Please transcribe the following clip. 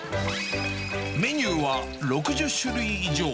メニューは６０種類以上。